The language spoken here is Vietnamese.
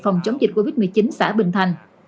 phòng chống dịch covid một mươi chín xã bình thành